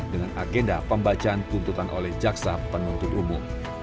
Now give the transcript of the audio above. dengan agenda pembacaan tuntutan oleh jaksa penuntut umum